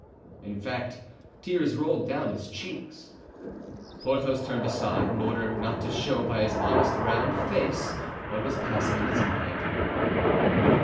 In fact, tears rolled down his cheeks. Porthos turned aside, in order not to show by his honest round face what was passing in his mind.